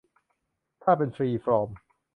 ถ้าเป็นฟรีฟอร์ม